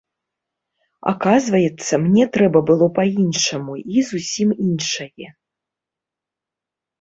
Аказваецца, мне трэба было па-іншаму і зусім іншае.